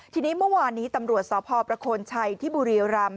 ทีนี้เมื่อวานนี้ตำรวจสพประโคนชัยที่บุรีรำ